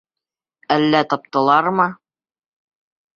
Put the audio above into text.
Әллә таптылармы?